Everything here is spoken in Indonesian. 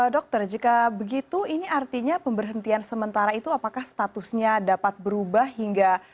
dokter jika begitu ini artinya pemberhentian sementara itu apakah statusnya dapat berubah hingga